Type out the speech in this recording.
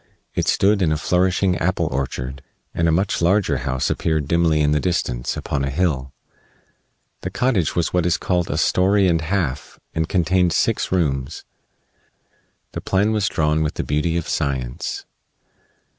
It stood in a flourishing apple orchard, and a much larger house appeared dimly in the distance, upon a hill. The cottage was what is called a "story and half" and contained six rooms. The plan was drawn with the beauty of science.